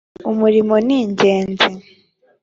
umurimo ningenzi.